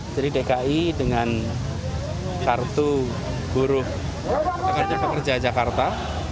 jadi dki dengan kartu buruh pekerja pekerja jakarta